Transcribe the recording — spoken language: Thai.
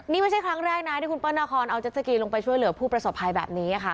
นี่ไม่ใช่ครั้งแรกนะที่คุณเปิ้ลนาคอนเอาเจ็ดสกีลงไปช่วยเหลือผู้ประสบภัยแบบนี้ค่ะ